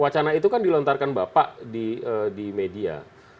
wacana itu kan dilontarkan bapak di media